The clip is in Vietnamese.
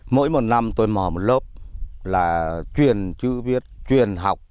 mỗi một năm tôi mở một lớp là truyền chữ viết truyền học